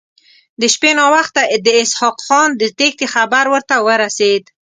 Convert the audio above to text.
د شپې ناوخته د اسحق خان د تېښتې خبر ورته ورسېد.